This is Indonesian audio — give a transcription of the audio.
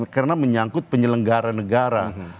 karena menyangkut penyelenggara negara